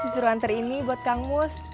mas disuruh hantar ini buat kang mus